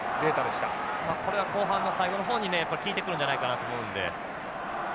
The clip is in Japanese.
まあこれは後半の最後の方にねやっぱり効いてくるんじゃないかなと思うので。